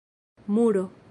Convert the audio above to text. muro